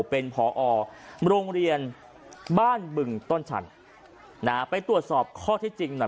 เป็นผอโรงเรียนบ้านบึงต้นชันนะฮะไปตรวจสอบข้อที่จริงหน่อย